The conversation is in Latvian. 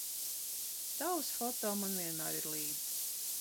Tavs foto man vienmēr ir līdz